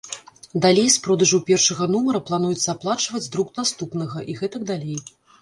Далей з продажаў першага нумара плануецца аплачваць друк наступнага, і гэтак далей.